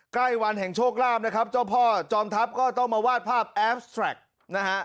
ใกล้วันแห่งโชคลาภนะครับเจ้าพ่อจอมทัพก็ต้องมาวาดภาพแอฟแทรกนะฮะ